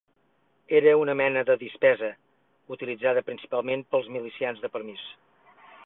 Era una mena de dispesa utilitzada principalment pels milicians de permís